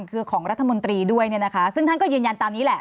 คือของรัฐมนตรีด้วยเนี่ยนะคะซึ่งท่านก็ยืนยันตามนี้แหละ